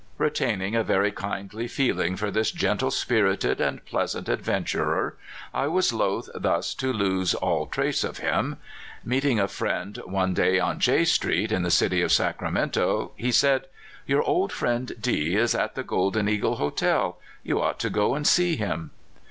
Retaining a very kindly feeling for this gentle spirited and pleasant adventurer, I was loth thus to loose all trace of him. Meeting a friend one day, on J Street, in the city of Sacramento, he said :'* Your old friend D is at the Golden Eagle hotel. You ought to go and see him."